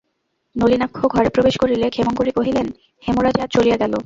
নলিনাক্ষ ঘরে প্রবেশ করিলে ক্ষেমংকরী কহিলেন, হেমরা যে আজ চলিয়া গেল।